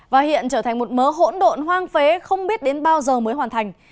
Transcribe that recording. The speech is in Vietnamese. và hiện trở thành một mớ hỗn độn hoang phế không biết đến bao giờ mới hoàn thành